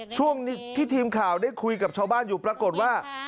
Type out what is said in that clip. ช่วงที่ทีมข่าวได้คุยกับชาวบ้านอยู่ปรากฏว่า